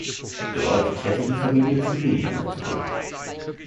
Dort kehrte die Familie zum Judentum zurück.